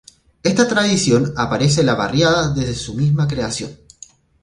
Está tradición aparece en la barriada desde su misma creación.